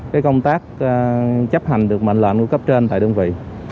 cái công tác chấp hành được mệnh lệnh của cấp trên tại đơn vị